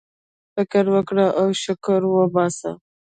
فكر وكره او شكر وباسه!